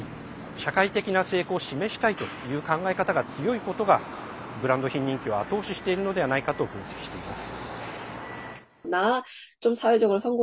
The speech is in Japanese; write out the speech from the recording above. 社会的な成功を示したいという考え方が強いことがブランド品人気を後押ししているのではないかと分析しています。